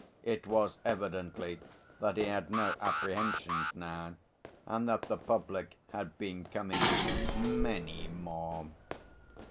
It was evidently that he had no apprehensions now, and that the public had been coming "many more."